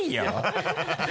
ハハハ